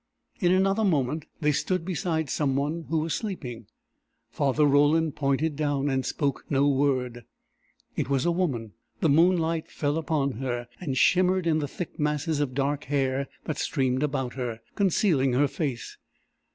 In another moment they stood beside someone who was sleeping. Father Roland pointed down, and spoke no word. It was a woman. The moonlight fell upon her, and shimmered in the thick masses of dark hair that streamed about her, concealing her face.